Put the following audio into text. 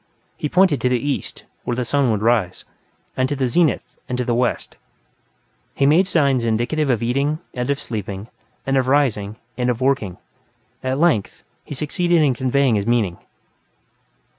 He pointed to the east, where the sun would rise, and to the zenith, and to the west. He made signs indicative of eating, and of sleeping, and of rising, and of working. At length, he succeeded in conveying his meaning.